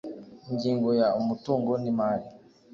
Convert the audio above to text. Ingingo ya Umutungo n imari